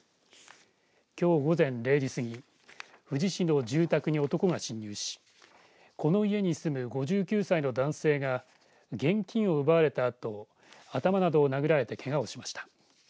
きょう午前０時過ぎ富士市の住宅に男が侵入しこの家に住む５９歳の男性が現金を奪われたあと頭などを殴られてけがをしました。